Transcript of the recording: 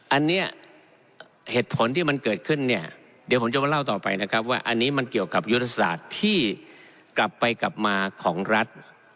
อันนี้เหตุผลที่มันเกิดขึ้นเนี่ยเดี๋ยวผมจะมาเล่าต่อไปนะครับว่าอันนี้มันเกี่ยวกับยุทธศาสตร์ที่กลับไปกลับมาของรัฐ